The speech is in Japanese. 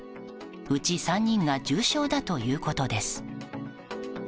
うち３人が重症だということです。